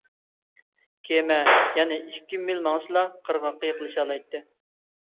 كېمە يەنە ئىككى مىل ماڭسىلا قىرغاققا يېقىنلىشالايتتى.